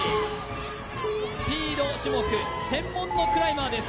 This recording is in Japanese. スピード種目専門のクライマーです